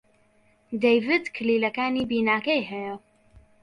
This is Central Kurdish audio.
دەیڤد کلیلەکانی بیناکەی هەیە.